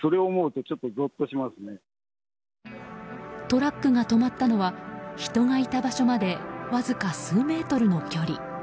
トラックが止まったのは人がいた場所までわずか数メートルの距離。